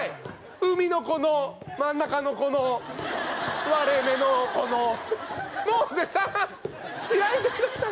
海のこの真ん中のこの割れ目のこのモーゼさん開いてください